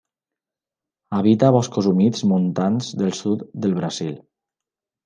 Habita boscos humits montans del sud del Brasil.